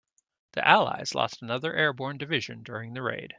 The allies lost another airborne division during the raid.